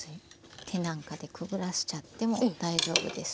手なんかでくぐらせちゃっても大丈夫です。